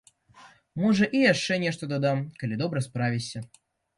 Можа, і яшчэ нешта дадам, калі добра справішся.